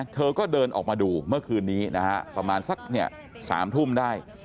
เธอก็เดินออกมาดูเมื่อคืนนี้นะฮะประมาณสัก๓ทุ่มได้